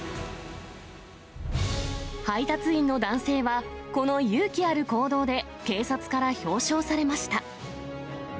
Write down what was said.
配達員の男性は、この勇気ある行動で警察から表彰されました。